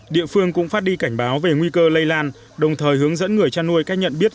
địa phương cũng phát đi cảnh báo về nguy cơ lây lan đồng thời hướng dẫn người chăn nuôi cách nhận biết